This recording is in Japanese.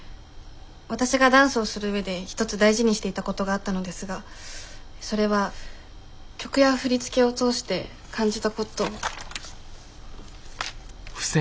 わたしがダンスをする上で一つ大事にしていたことがあったのですがそれは曲や振り付けを通して感じたことを。